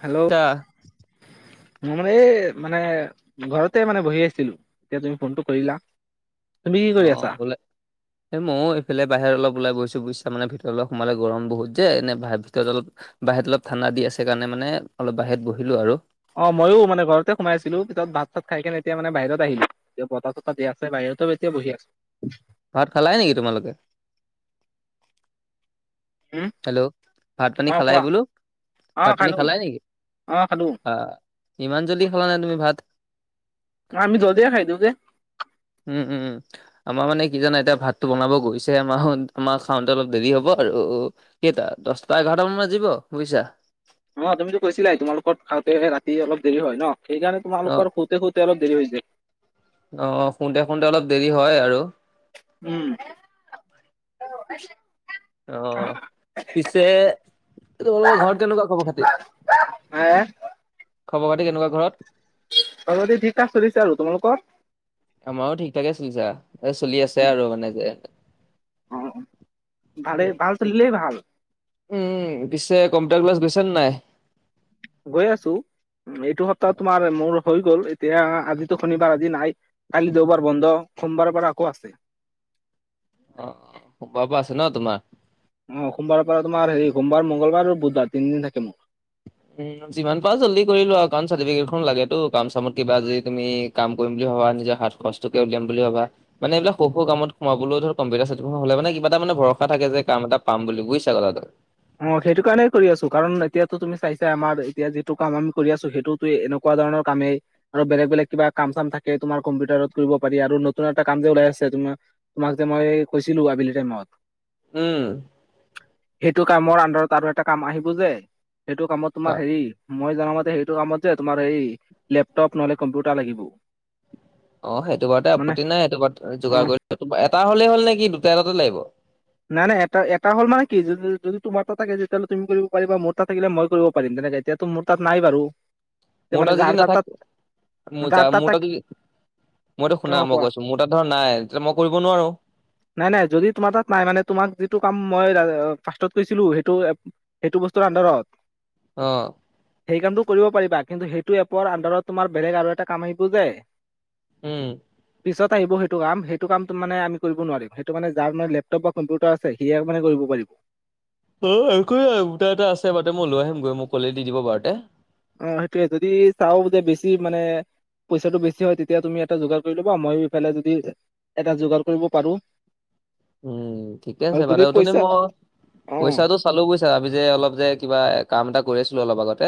Hello. তা মই মানে এই মানে ঘৰতে মানে বহি আছিলো এতিয়া তুমি ফোনটো কৰিলা। তুমি কি অ কৰি আছা বোলে এই মইয়ো এইফালে বাহিৰত অলপ ওলাই গৈছো বুইছা মানে ভিতৰত অলপ সোমালে গৰম বহুত যে ভিতৰত অলপ বাহিৰত অলপ ঠাণ্ডা দি আছে কাৰণে মানে অলপ বাহিৰত বহিলোঁ আৰু। অ ময়ো মানে ঘৰতে সোমাইছিলো পিছত ভাত চাত খাই কেনে এতিয়া মানে বাহিৰত আহিলোঁ। বতাহ চতাহ দি আছে বাহিৰতে এতিয়া বহি আছোঁ। ভাত খালাই নেকি তোমালোকে? উম হেল্ল', ভাত পানী অ খালাই কোৱা বোলো? অ ভাত পানী খালো খালাই নেকি? অ খালো বাহ ইমান জল্দি খোৱা নে তুমি ভাত? অ, আমি জল্দিয়ে খাই দিও যে। উম-উম-উম আমাৰ মানে কি জানা এতিয়া ভাতটো বনাব গৈছে মাহঁত। আমাৰ খাওঁতে অলপ দেৰি হ'ব আৰু কেইটা দচটা এঘাৰটা মান বাজিব বুইছা? অহ, তুমিতো কৈছিলাই তোমালোকৰ খাওঁতে ৰাতি অলপ দেৰি হয় ন' সেইকাৰণে অ', তোমালোকৰ খু তে শুতে অলপ দেৰি হৈ যায়। অ, শুওঁতে শুওঁতে অলপ দেৰি হয় আৰু। উম। অ, পিছে তোমালোকৰ ঘৰত কেনেকুৱা খবৰ খাতি? [unintelligible] খবৰ খাতি কেনেকুৱা ঘৰত? খবৰ খাতি ঠিক ঠাক চলিছে আৰু তোমালোকৰ? আমাৰো ঠিক ঠাকে চলিছা এ চলি আছে আৰু মানে যে। অ ভালে ভাল চলিলে ভাল। উম, পিছে কম্পিউটাৰ ক্লাছ গৈছা নে নাই? গৈ আছো এইটো সপ্তাহ তোমাৰ মোৰ হৈ গ'ল এতিয়া আজিতো শনিবাৰ আজি নাই। কালি দেওবাৰ বন্ধ সোমবাৰৰ পৰা আকৌ আছে। অ', সোমবাৰৰ পা আছে ন' তোমাৰ? অহ, সোমবাৰ পৰা তোমাৰ হেৰি সোমবাৰ মংগলবাৰ আৰু বুধবাৰ তিনদিন থাকে মোৰ। এ যিমান পাৰা জল্দি কৰিলোৱা আৰু কাৰণ চাৰ্টিফিকেটখন লাগেটো কাম চামত কিবা যি তুমি কাম কৰিম বুলি ভাবা নিজা হাত খৰচ টোকে উলিয়াম বুলি ভাবা। মানে এইবিলাক সৌ- সৌ কামত সোমাবলৈও ধৰ কম্পিউটাৰ চাৰ্টিফিকেটখন হলে মানে কিবা এটা মানে ভৰসা থাকে যে কাম এটা পাম বুলি বুইছা কথাটো। অহ, সেইটো কাৰণে কৰি আছো কাৰণ এতিয়াতো তুমি চাইছা আমাৰ এতিয়া যিটো কাম আমি কৰি আছো সেইটো টোৱে এনেকুৱা ধৰণৰ কামেই। আৰু বেলেগ -বেলেগ কিবা কাম চাম থাকে তোমাৰ কম্পিউটাৰত কৰিব পাৰি আৰু নতুন এটা কাম যে ওলাই আছে তোমাৰ তোমাক যে মই কৈছিলো আবেলি টাইমত। উম। সিটো কামৰ আন্দাৰত আৰু এটা কাম আহিব যে সেইটো কামত তোমাৰ হেৰি মই জনামতে সেইটো কামত যে তোমাৰ এই লেপটপ ন'হলে কম্পোটা লাগিব। অহ, সেইটো বাৰোতে মানে আপত্তি নাই সেইটো বাত অ যোগাৰ কৰি [unintelligible] এটা হলেই হ'ল নেকি দুটা এটাতে লাগিব? নাই- নাই এটা এটা হ'ল মানে কি যদি -যদি তোমাৰ এটা থাকে তেতিয়াহ'লে তুমি কৰিব পাৰিবা মোৰ তাত থাকিলে মই কৰিব পাৰিম তেনেকে এতিয়া তো মোৰ তাত নাই বাৰু। এতিয়া মোৰ মানে তাত যাৰ যদি তাৰ নাথাক মোৰ যাৰ যা তাৰ মোৰ তাক তাত যদি। মইতো শুনা অ মই কোৱা কৈ আছো মোৰ তাত ধৰ নাই তেতিয়া মই কৰিব নোৱাৰো। নাই- নাই যদি তোমাৰ তাত নাই মানে তোমাক যিটো কাম মই ফাচটট কৈছিলোঁ সেইটো সেইটো বস্তুৰ আন্দাৰত? অ', সেই কামটো কৰিব পাৰিবা কিন্তু সেইটো এপৰ আন্দাৰত তোমাৰ বেলেগ আৰু এটা কাম আহিব যে। উম, পিছত আহিব সেইটো কাম সেইটো কামটো মানে আমি কৰিব নোৱাৰিম সেইটো মানে যাৰ মানে লেপ লেপটপ বা কম্পিউটাৰ আছে হীয়ে মানে কৰিব পাৰিব। অ, একো নাই মোৰ তাত এটা আছে বাৰুতে মই লৈ আহিম গৈ মোক কলে দি দিব বাৰুতে। উম, সেইটোৱে যদি চাও বোদে বেছি মানে পইচাটো বেছি হয় তেতিয়া তুমি এটা যোগাৰ কৰি ল'বা মই ইফালে যদি এটা যোগাৰ কৰিব পাৰো উম, ঠিকে আৰু আছে যদি বাৰু [unintelligible] পইচা মই অ পইচাটো চালো বুইছা আমি যে অলপ যে কিবা কাম এটা কৰি আছিলো অলপ আগতে।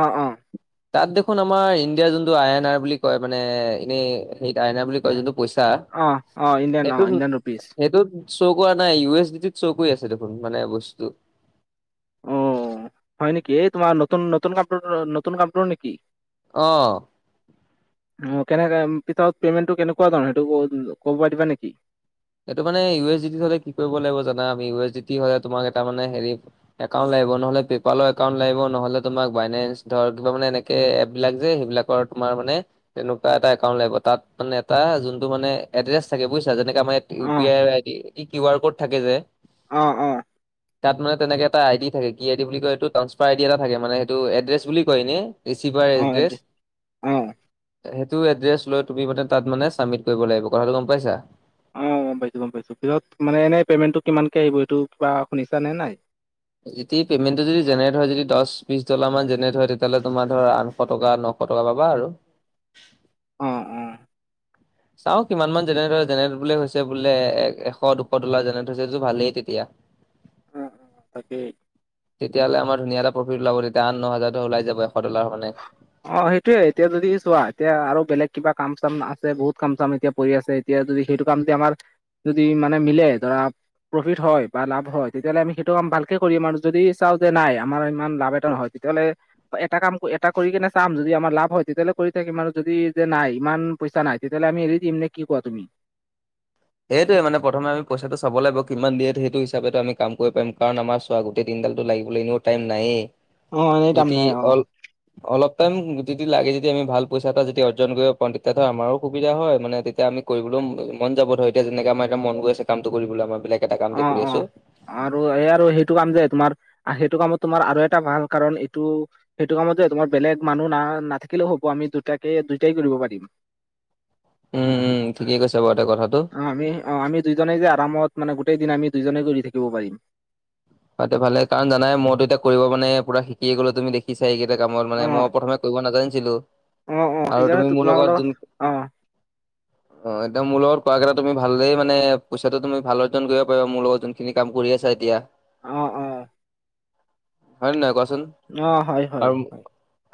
অ', অ', তাত দেখোন আমাৰ ইণ্ডিয়াৰ যোনটো আই এন আৰ বুলি কয় মানে এনেই সেই আই এন আৰ বুলি কয় যিটো পইচা অ অ ইণ্ডিয়ান অ সেইটো ইণ্ডিয়ান ৰুপিজ সেইটোত চৌ কৰা নাই ইউ এছ ডি টোত চৌ কৰি আছে দেখোন মানে বস্তুটো। অ হয় নেকি এই তোমাৰ নতুন- নতুন কাপোৰ নতুন কাপোৰৰ নেকি? অ অ কেনেকা পিতত পেমেণ্টটো কেনেকুৱা ধৰ সেইটো ক'ব পা দিবা নেকি? এইটো মানে ইউ এছ ডি টিত হলে কি কৰিব লাগিব জানা আমি ইউ এছ ডি টি হলে তোমাক এটা মানে হেৰি একাউণ্ট লাগিব নহ'লে পেপালৰ একাউণ্ট লাগিব নহ'লে তোমাক বাইনেন্ঞ্চ ধৰ কিবা মান এনে কে এপবিলাক যে সেইবিলাকৰ তোমাৰ মানে তেনেকুৱা এটা একাউণ্ট লাগিব তাত মানে এটা যোনটো মানে এড্ৰেছ থাকে বুইছা যেনেকা [unintelligible] ইউ অ পি আইৰ আই ডি কিওয়াৰ ক'ড থাকে যে৷ অ'-অ', [inaudible] তাত মানে তেনেকে এটা আই ড থে কি আই ডি বুলি কয় এইটো ট্ৰাঞ্চফাৰ আই ডি এটা থাকে মানে সিটো এড্ৰেছ বুলি কয় এনে ৰিছিভাৰ এড্ৰেছ। অ অ সেইটো এড্ৰেছ লৈ তুমি মানে তাত মানে চাবমিট কৰিব লাগিব কথাটো গম পাইছা৷ অ গম পাইছো গম পাইছো কিহত মানে এনেই পেমেণ্টটো কিমানকে আহিব এইটো কিবা শুনিছা নে নাই? য পেমেণ্টটো যদি জেনেৰেট হয় যদি দচ বিশ ডলাৰ মান জেনেৰেট হয় তেতিয়াহ'লে তোমাৰ ধ আঠশ টকা নশ শ টকা পাবা আৰু৷ অঁ-অঁ চাও কিমান মান জেনেৰেট জেনেৰেট বোলে হৈছে বোলে এ এশ দুশ তোলা যেনে হৈছেযোৰ ভালেই তেতিয়া৷ [inaudible] উ অ তাকে তেতিয়াহ'লে আমাৰ ধুনীয়া এটা প্ৰফিট উলাব তেতিয়া আঠ ন হাজাৰৰ ওলাই যাব এশ ডলৰ মানে৷ অ সেইটোয়ে এতিয়া যদি চোৱা এতিয়া আৰু বেলেগ কিবা কাম চাম আছে বহুত কাম চাম এতিয়া পৰি আছে তেতিয়া যদি সেইটো কাম যদি আমাৰ যদি মানে মিলে ধৰা প্ৰফিট হয় বা লাভ হয় তেতিয়াহ'লে আমি সেইটো ভালকে কৰিম আৰু যদি চাওঁ যে নাই আমাৰ ইমান লাভ এটা নহয় তেতিয়াহলে এটা কাম এটা কৰি কিনে চাম যদি আমাৰ লাভ হয় তেতিয়াহ'লে কৰি থাকিম আৰু যদি যে নাই ইমান পইচা নাই তেতিয়াহ'লে আমি এৰি দিম নে কি কোৱা তুমি? সেইটোৱে মানে প্ৰথম আমি পইচাটো চাব লাগিব কিমান দিয়ে সেইটো হিচাপেতো আমি কাম কৰিম কাৰণ আমাৰ গোতেই দিনডাল টো লাগিবলৈ এনেও টাইম নায়েই অ এনেই তাৰমানে যদি অ অল অলপ টাইম যদি লাগে যদি আমি ভাল পইচা এটা যদি অৰ্জন কৰিব পাৰওঁ তেতিয়াাহলে আমাৰো সুবিধা হয় মানে তেতিয়া আমি কৰিবলৈও মন যাব ধ এতিয়া যেনেকে আমাৰ এ মন গৈ আছে কামটো কৰিবলৈ আমা বিলেক৷ অ অ আৰু এই আৰু সেইটো কাম যে তোমাৰ সেইটো কামত তোমাৰ আৰু এটা ভাল কাৰণ এইটো সেইটো কামত যে তোমাৰ বেলেগ মানুহ না নাথাকিলেও হ'ব আমি দুটাকে দুইটাই কৰিব পাৰিম৷ উম-উম ঠিকেই কৈছে বাৰু ত কথাটো৷ অ আমি অ আমি দুইজনে যে আৰামত মানে গোটেই দিন আমি দুইজনেই কৰি থাকিব পাৰিম৷ হয় এতিয়া ভালে কাৰণ জানাই মইতো এতিয়া কৰিব মানে পুৰা শিকিয়ে গ'লো তুমি দেখিছাই এইকেইটা কামত মানে অ মই প্ৰথমে কৰিব নাজানিছিলো অ অ আৰু সেইকাৰণে তুমি মোৰ লগত তোমালোকৰ যোন অ অ এতিয়া মোৰ লগত কোৱা কেইটা তুমি ভালেই মানে পইচাটো তুমি ভাল অৰ্জন কৰিব পাৰিবা মোৰ লগত যোন খিনি কাম কৰি আছা এতিয়া৷ অ - অ হয় নহয় কোৱাচোন? অ আৰু হয়-হয়-হয়৷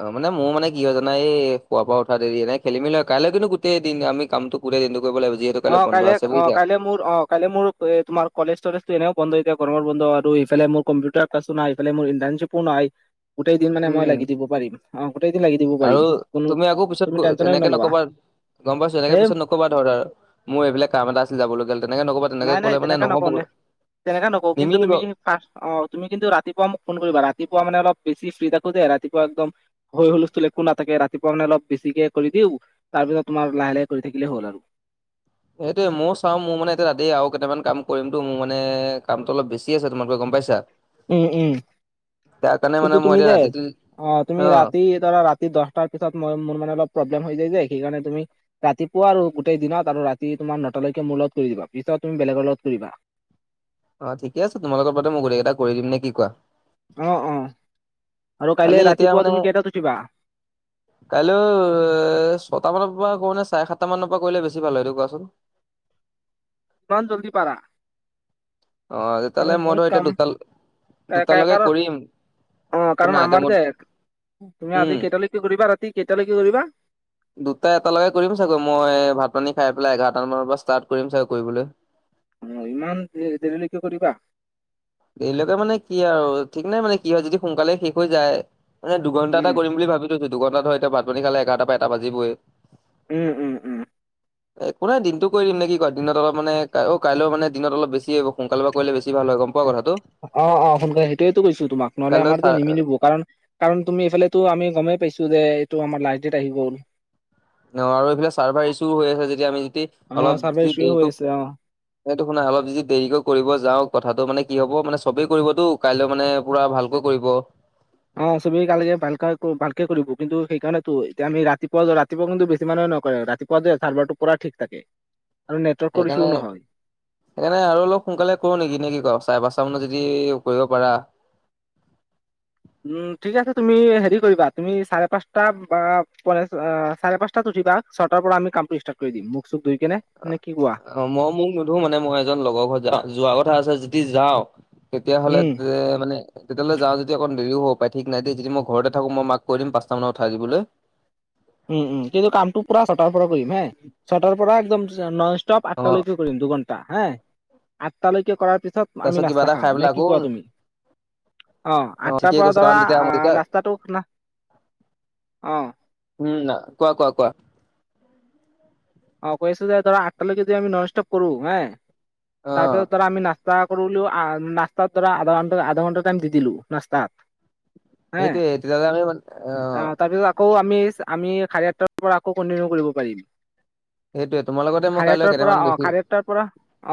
অ মানে মোৰ মানে কি হয় জানা এই শুৱাৰ পৰা উঠা দেৰি নে খেলি মেলি কাইলৈ কিন্তু গোটেই দিন আমি কামটো গোটেই দিনটো কৰিব লাগিব যি অ কাইলে অ কাইলৈ মোৰ অফ৷ কাইলে মোৰ এ তোমাৰ কলেজ তলেজো এনেও বন্ধ এতিয়া গৰমৰ বন্ধ আৰু ইফালে মোৰ কম্পিউটাৰ ক্লাছো নাই ইফালে মোৰ ইন্তাৰ্ণশ্বিপো নাই৷ গোটেই দিন মানে মই লাগি দিব পাৰিম অ গোটেই দিন লাগি দিব আৰু পাৰিম কোনো তুমি আকৌ পিছত তুমি টেনশনে এনেকে নলবা৷ নকবা গম পাইছো এনেকে সেই পিছত নকবা ধৰ আৰু মোৰ এইবাক কাম এটা আছিল যাবলগীয়া তেনেকে নকবা৷ তেনেকে নাই-নাই ক'লে মানে তেনেকা নকওঁ নহ'বগৈ নে তেনেকা নকওঁ কিন্তু নিমিলিব তুমি অ তুমি কিন্তু ৰাতিপুৱা মোক ফোন কৰিবা ৰাতিপুৱা মানে অলপ বেছি ফ্ৰী থাকো দে ৰাতিপুৱা একদম হৈ হলস্থুল একো নাথাকে ৰাতিপুৱা মানে অলপ বেছিকে কৰি দিও তাৰ পিছত তোমাৰ লাহে লাহে কৰি থাকিলে হ'ল আৰু সেইটোৱে ময়ও চাওঁ মোৰ মানে এতিয়া ৰাতি আও কেইটামান কাম কৰিমটো মোৰ মানে কামটো অলপ বেছি আছে তোমাৰতকৈ গম পাইছা। উম উম তাৰ কাৰণে মানে কিন্তু মই তুমি এতিয়া দে ৰাতিটো অ তুমি ৰাতি তৰা ৰাত- দহটাৰ পিছত মই মোৰ মানে অলপ প্ৰব্লেম হৈ যায় যে সেইকাৰণে তুমি ৰাতিপুৱা আৰু গোটেই দিনত আৰু ৰাতি তোমাৰ নটালৈকে মোৰ লগত কৰি দিবা পিছত তুমি বেলেগৰ লগত কৰিবা৷ অ ঠিকে আছে তোমালোকৰাতে মই গোটেই এটা কৰি দিম নে কি কোৱা? অ অ আৰু খালি কাইলে এতিয়া ৰাতিপুৱা মানে তুমি কেইটাত উঠিবা? [inaudible] কাইলৈ এ ছটা মানৰ পৰা কৰোঁ নে চাৰে সাতটা মানৰ পৰা কৰিলে বেছি ভাল হয় সেই টো কোৱাচোন। ইমান জল্দি পাৰা। অ কাৰণ তেতিয়াহ'লে মই বহুত ধৰ কাম এতিয়া দুটাল কা- কা- দুটালৈকে কাৰণ কৰিম। অ শুনা কাৰণ এতিয়া আমাৰ মই দেখ, তুমি আজি উম, কেইটালৈ কৰিবা ৰাতি কেইটালৈ কি কৰিবা? দুটা এটালকে কৰিম চাগৈ মই ভাত পানী খাই পেলাই এঘাৰটা মানৰ পৰা ষ্টাৰ্ট কৰিম চাগৈ কৰিবলৈ। অ ইমান দে দেৰি লৈকে কৰিবা? দেৰিলৈকে মানে কি আৰু ঠিক নাই মানে কি হয় যদি সোনকালে শেষ হৈ যায়। মানে দুঘণ্টা উম এটা কৰিম বুলি ভাবি থৈছো দুঘণ্টা ধ এতিয়া ভাতপানী খালে এঘাৰটা পৰা এটা বাজিবই- উম উম উম। [inaudible] এ একো নাই দিনটো কৰি দিম নে কি কয় দিনত অলপ মানে অ কাইলৈ মানে দিনত অলপ বেছি সোনকালে পৰা কৰিলে বেছি ভাল হয় গম কোৱা কথাটো অ অ সোনকালে সেইটোৱেতো কৈছো তোমাক নহ'লে কাইলৈ আমাৰতো চাৰে নিমিলিব কাৰণ কাৰণ তুমি এইফালেতো আমি গমেই পাইছো যে এইটো আমাৰ লাষ্ট ডেট আহি গ'ল- অ আৰু এইফিলাক চাৰ্ভাৰ ইছুও হৈ আছে যেতিয়া আমি যদি অ অলপ চাৰ্ভাৰ যি ইছ্যু হৈ দেৰিকোক আছে অ সেইটো শুনা অলপ যদি দেৰিকৈ কৰিব যাওঁ কথাটো মানে কি হব মানে চবেই কৰিবটো কাইলৈ মানে পুৰা ভালকৈ কৰিব- অ চবেই কালে ভালকই ভালকে কৰিব কিন্তু সেইকাৰণেতো এতিয়া আমি ৰাতিপুৱা য ৰাত- ৰাতিপুৱা কিন্তু বেছি মানুহে নকৰে ৰাতিপুৱা যে চাৰ্ভাৰ টো কৰা ঠিক থাকে আৰু নেটৱৰ্কৰ সেইকাৰণে ইছ্যুও নহয়। সেইকাৰণে আৰু অলপ সোনকালে কৰো নেকি নে কি ক চাৰে পাঁচটা মানত যদি কৰিব পাৰা। উম ঠিক আছে তুমি হেৰি কৰিবা তুমি চাৰে পাঁচটা বা পৰাচ অ চাৰে পাঁচটাত উঠিবা। ছটাৰ পৰা আমি কামটো ষ্টাৰ্ট কৰি দিম মুক চুখ ধুই কেনে, নে কি কোৱা। অ মই মুক নুধো মানে মই এজন লগৰ ঘৰত যা যোৱা কথা আছে যদি যাওঁ। তেতিয়া হলে উম যে মানে- তেতিয়াহলে যাওঁ যদি অকন দেৰিও হ'ব পাই ঠিক নাই দেই যদি মই ঘৰতে থাকো মাক কৰি দিম পাঁটা মান উঠাই দিবলৈ। উম উম কিন্তু কামটো পুৰা ছটাৰ পৰা কৰিম হে চটাৰ পৰা একদম নন ষ্টপ অ আঠটালৈ। কৰিম দুঘন্টা হা আঠটালৈকে কৰাৰ পিছত আমি তাৰপিছত কিবা নাস্তা এটা খাম খাই নে পেলাই কি আকৌ কোৱা তুমি? অ আঠটাৰ ঠিকেই পৰা কৈছে কাৰণ ধৰা তেতিয়া আহ তেতিয়া ৰাস্তাটো খনা, অ। উম ন কোৱা কোৱা কোৱা? অ কৈ আছো যে ধৰা আঠটালৈকে যদি আমি নন ষ্টপ কৰো হে, অ তাৰপিছত ধৰা আমি না- স্তা কৰিলও নাস্তাত ধৰা আধা ঘণ্টা আধা ঘণ্টা টাইম দি দিলো নাস্তাত- হে সেইটোয়ে তেতিয়াহলে আমি মান অ আকৌ আমি আমি চাৰে আঠটাৰ পৰা আকৌ কণ্টিনিউ কৰিব পাৰিম। সেইটোয়ে তোমাৰ লগতে মই কাইলৈ কেইটামান বেছি। তাৰ পৰা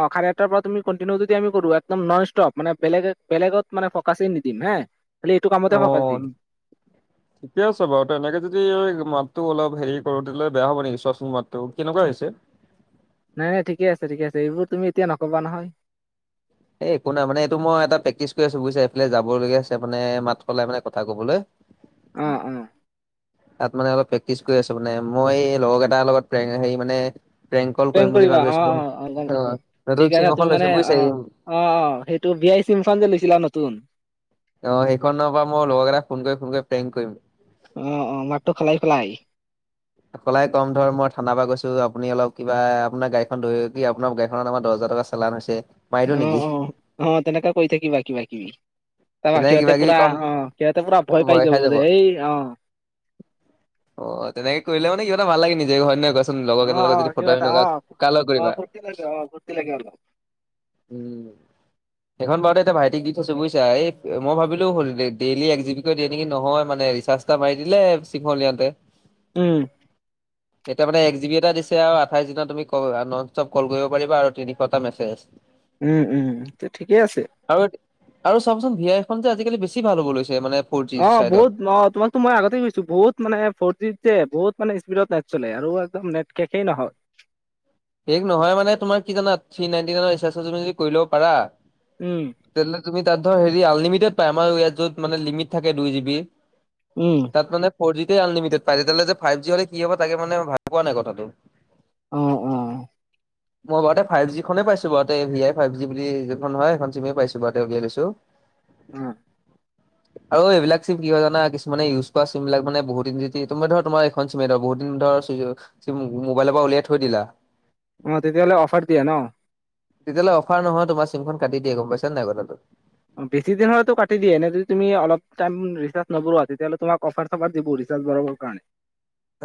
অ খাৰে আঠটাৰ পৰা তুমি কণ্টিনিউ যদি আমি কৰো একদম নন ষ্টপ মানে বেলেগেক বেলেগত মানে ফকাছে নিদিম হে। খালি এইটো কামতে অ। ফকাচ দিম ঠিকে আছে বাৰু তেনেকে যদি এই মাতটো অলপ হেৰি কৰো তেতিয়া হ'লে বেয়া হ'ব নেকি চোৱাচোন মাতটো কেনেকুৱা হৈছে। নাই নাই ঠিকে আছে ঠিক আছে এইবোৰ তুমি এতিয়া নকবা নহয়। এই একো নাই মানে এইটো মই এটা প্ৰেক্টিছ কৰি আছো বুজিছা এইফালে যাবলগীয়া আছে মানে মাত সলাই মানে কথা ক'বলৈ। অ অ। তাত মানে অলপ প্ৰেক্টিচ কৰি আছো মানে মই লগৰ কেইটাৰ লগত ফ্ৰেং হেই মানে প্ৰেংকল প্ৰেংক কৰিম বুলি কৰিবা ভাবি অ আছো অ অ গম মই। পাইছো নতুন সেইকাৰণে চিম তুমি এখন মানে লৈছো অ বুইছে এই। অ, অ সেইটো ভি আই চিম খন যে লৈছিলা নতুন। অ সেইখনৰ পৰা মই লগৰ কেইটাক ফোন কৰি ফোন কৰি ফোন কৰি প্ৰেংক কৰিম। অ অ মাতটো খলাই খলাই। [inaudible] সলাই কম ধৰ মই থানা পৰা কৈছো আপুনি অলপ কিবা আপোনাৰ গাড়ীখন ধৈ কি আপোনাৰ গাড়ীখনৰ নামত দহ হজাৰ টকা চা- লাভ হৈছে মাৰি দিও অ নেকি? অ অ তেনেকা কৰি থাকিবা কিবা-কিবি। তাৰপৰা তেনেকে কিবা সিহঁতে কিবি পুৰা কম অ সিহঁতে পুৰা ভয় পাই যাব দেই হেই অ অ তেনেকে কৰিলে মানে কিবাটা ভাল লাগে নিজে হয় নে নাই কোৱা চোন অ লগৰ কেইটাৰ অ লগত যদি কিবা ফটোৱামি এটা অ নকৰা, কাৰ লগত অ কৰিবা? ফূৰ্তি লাগে অ ফূৰ্তি লাগে অলপ উম, সেইখন বাৰু এতিয়া ভাইটিক দি থৈছো বুইছা। এই মই ভাবিলো ডেইলি একজিবি কৈ দিয়ে নেকি? নহয় মানে ৰিচাৰ্জ এটা মাৰি দিলে চিম খন উলিয়াওতে। [inaudible] উম। [inaudible] এতিয়া মানে এক জি বি এটা দিছে আৰু আঠাইছ দিনত তুমি নন ষ্টপ কল কৰিব পাৰিবা আৰু তিনিশটা মেছেজ। উ [inaudible] উম, উম তে ঠিকেই আছে। আৰু আৰু চাবচোন ভি আইখন যে আজি-কালি বেছি ভাল হ'ব লৈছে। মানে ফ'ৰ জি অ, চাইডত। বহুত মহ তোমাৰ টো মই আগতে কৈছো বহুত মানে ফৰ জিত যে বহুত মানে স্পীডত নেট চলে আৰু একদম নেট শেষেই নহয়। শেষ নহয় মানে তোমাৰ কি জানা। থ্ৰী নাইনটি নাইনৰ ৰিচাৰ্জ এটা তুমি যদি ল'ব পাৰা উম। তেনেহ'লে তুমি তাত ধৰ হেৰি আনলিমিটেত পায়। আমাৰ ইয়াত য'ত মানে লিমিট থাকেই দুই জিবি। উম। তাত মানে ফৌৰ জিতে আনলিমিটেত পায়। তেতিয়াহলে যে ফাইভ জি হলে কি হ'ব তাকে মানে মই ভাবি পোৱা নাই কথাটো। অ, অ। মই বাৰুতে ফাইভ জি খনেই পাইছো বাৰুতে। ভী আই ফাইভ জি বুলি যিখন হয় এখন চিমে পাইছো। [unintelligible] উলিয়াই লৈছো। অ [inaudible] আৰু এইবিলাক চিম কি হয় জানা? কিছুমানে ইউজ কৰা চিম বিলাক মানে বহুত দিন যদি তোমাৰ ধৰা তোমাৰ এখন চিমে ধৰ বহুত দিন ধৰ ছুইছ চিম মোবাইলৰ পৰা উলিয়াই থৈ দিলা। অ তেতিয়াহ'লে অফাৰ দিয়ে ন? তেতিয়াহ'লে অফাৰ নহয়, তোমাৰ চিমখন কাটি দিয়ে গম পাইছা নে নাই কথাটো? বেছি দিন হ'লেটো কাটি দিয়ে। এনে যদি তুমি অলপ টাইম ৰিচাৰ্জ নভৰোৱা তেতিয়াহ'লে তোমাক অফাৰ অফাৰ দিব ৰিচাৰ্জ ভৰাবৰ কাৰণে।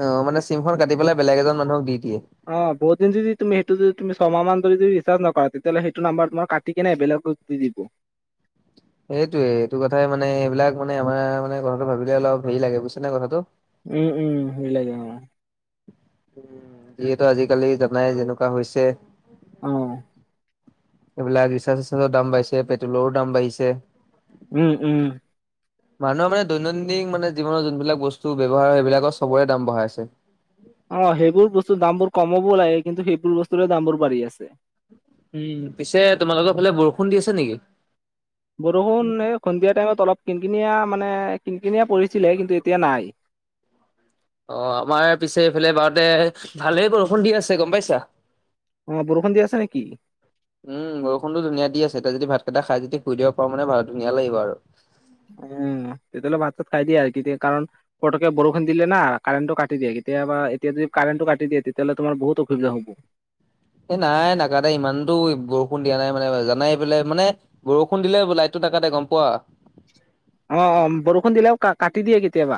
অ মানে চিমখন কাটি পেলাই বেলেগ এজন মানুহক দি দিয়ে। অ বহুত দিন যদি তুমি সেইটো যদি তুমি ছমাহ মান যদি ৰিচাৰ্জ নকৰা তেতিয়া হ'লে সেইটো নাম্বাৰ তোমাৰ কাটি কেনে বেলেগক দি দিব। সেই। এইটো কথাই মানে এইবিলাক মানে আমাৰ মানে কথাটো ভাবিলে অলপ হেৰি লাগে, বুইছা নে কথাটো? উম, উম সেই লাগে অ। উ যিহেতু আজি-কালি জানাই যেনেকুৱা হৈছে। অ। এইবিলাক ৰিচাৰ্জ-চিচাৰ্জৰ দাম বাঢ়িছে, পেট্ৰলৰো দামো বাঢ়িছে। উম, উম। মানুহৰ মানে দৈনন্দিন মানে জীৱনৰ যোনবিলাক বস্তু ব্যৱহাৰ হয় সেইবিলাকৰ চবৰে দাম বঢ়াই আছে। অ সেইবোৰ বস্তু দাম বোৰ কমাব লাগে। কিন্তু সেইবোৰ বস্তুৰে দামবোৰ বাঢ়ি আছে। উম, পিছে তোমালোকৰ ফালে বৰষুণ দি আছে নেকি? বৰষুণ এই সন্ধিয়া টাইমত অলপ কিনকিনিয়া মানে কিনকিনিয়া পৰিছিলে, কিন্তু এতিয়া নাই। অ, আমাৰ পিছে এইফালে বাৰতে ভালেই বৰষুণ দি আছে গম পাইছা। অ বৰষুণ দি আছে নেকি? উম বৰষুণটো ধুনীয়া দি আছে, তই যদি ভাতকেইটা খাই যদি শুই দিব পাৰো ধুনীয়া লাগিব আৰু উম তেতিয়াহলে ভাতটো খাই দিয়া, তেতিয়া কাৰণ পটককে বৰষুণ দিলে না কাৰেণ্টটো কাটি দিয়ে। কেতিয়াবা এতিয়া যদি কাৰেণ্টটো কাটি দিয়ে তেতিয়াহ'লে তোমাৰ বহুত অসুবিধা হ'ব। এ নাই নাকাটে। ইমানতো বৰষুণ দিয়া নাই মানে জানাই এইফালে মানে বৰষুণ দিলে আকৌ লাইটটো নাকাটে, গম পোৱা? অ, অ, বৰষুণ দিলেও কা কাটি দিয়ে কেতিয়াবা